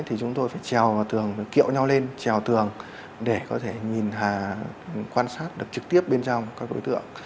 thì chúng tôi phải trèo vào tường kiệu nhau lên trèo tường để có thể nhìn hà quan sát được trực tiếp bên trong các đối tượng